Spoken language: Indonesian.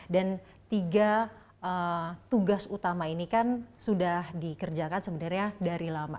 dan tiga tugas utama ini kan sudah dikerjakan sebenarnya dari lama